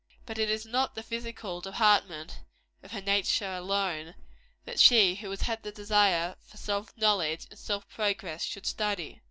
But it is not the physical department of her nature alone, that she who has the desire for self knowledge and self progress, should study.